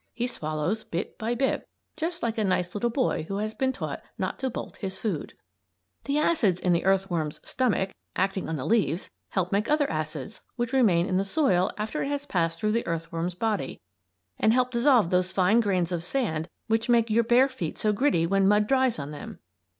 He swallows bit by bit; just like a nice little boy who has been taught not to bolt his food. The acids in the earthworm's "stomach," acting on the leaves, help make other acids which remain in the soil after it has passed through the earthworm's body and help dissolve those fine grains of sand which make your bare feet so gritty when mud dries on them.